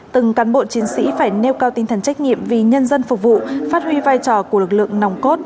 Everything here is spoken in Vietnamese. từng cán bộ chiến sĩ phải nêu cao tinh thần trách nhiệm vì nhân dân phục vụ phát huy vai trò của lực lượng nòng cốt